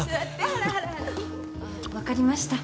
あ分かりました。